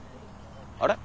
あれ？